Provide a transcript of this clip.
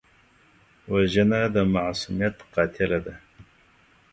وژنه د معصومیت قاتله ده